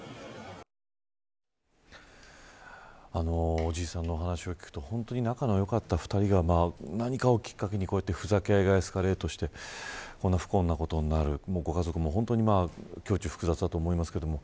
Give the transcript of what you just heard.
おじいさんの話を聞くと本当に仲の良かった２人が何かをきっかけに、ふざけ合いがエスカレートしてこんな不幸なことになるご家族も本当に胸中複雑だと思いますけれども。